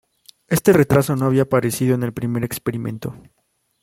Este retraso no había aparecido en el primer experimento.